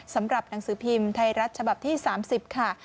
สำหรับหนังสือพิมพ์ไทยรัฐฉบับที่๓๐ค่ะ